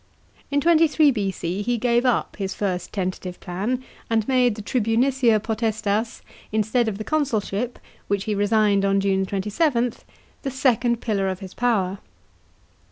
In 23 B.C. he gave up his first tentative plan and made the tribunicia potestas, instead of the consulship, which he resigned on June 27, the second pillar of his power.